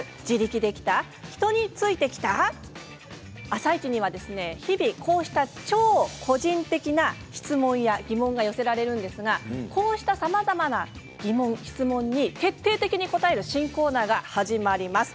「あさイチ」には日々こうした超個人的な疑問や質問が寄せられるんですがこうしたさまざまな疑問、質問に徹底的に答える新コーナーが始まります。